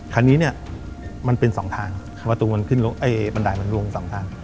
คันนี้เนี่ยมันเป็น๒ทางประตูมันขึ้นลงปันดายมันลง๒ทาง